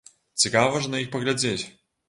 Цікава ж на іх паглядзець.